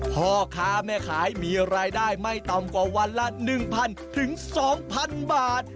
พ่อค้าแม่ขายมีรายได้ไม่ต่ำกว่าวันละ๑๐๐๒๐๐๐บาท